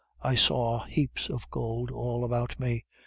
I saw heaps of gold all about me.